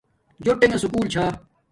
جوٹݣ سکُول چھا